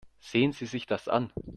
Sehen Sie sich das an.